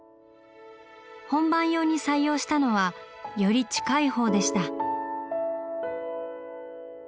本番用に採用したのはより近い方でした。